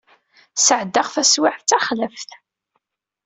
Sɛeddaɣ taswiɛt d taxlaft.